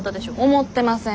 思ってません。